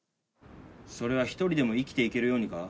それは１人でも生きていけるようにか？